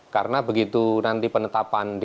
karena begitu nanti penetapannya